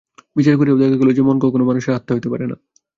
বিচার করিয়াও দেখা গেল যে, মন কখনও মানুষের আত্মা হইতে পারে না।